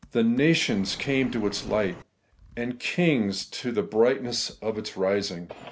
'The nations came to its light, and kings to the brightness of its rising.'